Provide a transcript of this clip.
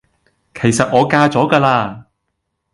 其實我嫁咗㗎啦